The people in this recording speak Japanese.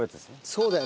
そうだよね。